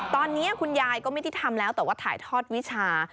ตอนนี้คุณยายก็ไม่ได้ทำแล้วแต่ว่าถ่ายทอดวิชา